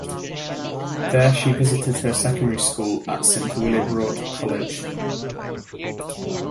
There she visited her secondary school at Sint Willibrord College.